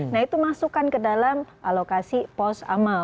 nah itu masukkan ke dalam alokasi pos amal